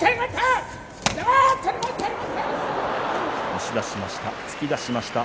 押し出しました。